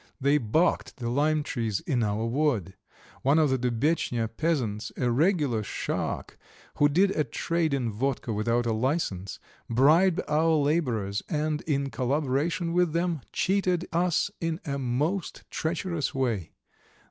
They barked the lime trees in our wood. One of the Dubetchnya peasants, a regular shark, who did a trade in vodka without a licence, bribed our labourers, and in collaboration with them cheated us in a most treacherous way.